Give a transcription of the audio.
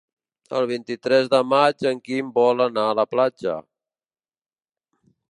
El vint-i-tres de maig en Quim vol anar a la platja.